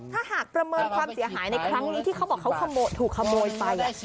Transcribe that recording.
ถ้าหากประเมินความเสียหายในครั้งนี้ที่เขาบอกเขาถูกขโมยไป